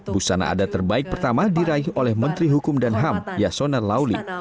busana adat terbaik pertama diraih oleh menteri hukum dan ham yasona lauli